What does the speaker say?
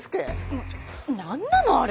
何なのあれ！